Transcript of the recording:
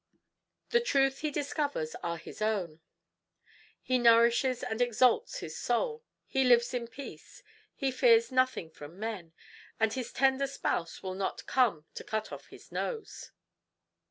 The truths he discovers are his own; he nourishes and exalts his soul; he lives in peace; he fears nothing from men; and his tender spouse will not come to cut off his nose."